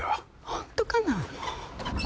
ホントかなもう。